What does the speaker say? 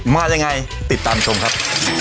มายังไงติดตามชมครับ